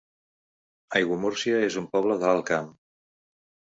Aiguamúrcia es un poble de l'Alt Camp